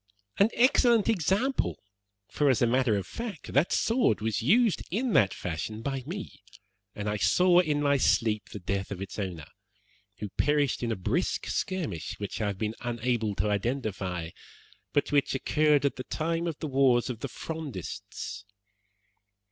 "An excellent example, for, as a matter of fact, that sword was used in that fashion by me, and I saw in my sleep the death of its owner, who perished in a brisk skirmish, which I have been unable to identify, but which occurred at the time of the wars of the Frondists.